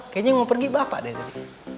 kayaknya mau pergi bapak deh tadi